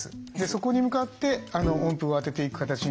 そこに向かって温風をあてていく形になります。